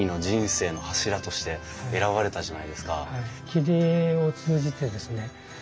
切り絵を通じてですね